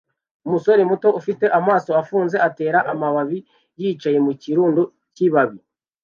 Umusore muto ufite amaso afunze atera amababi yicaye mukirundo cyibabi